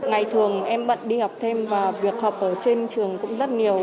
ngày thường em bận đi học thêm và việc học ở trên trường cũng rất nhiều